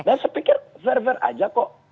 dan saya pikir fair fair aja kok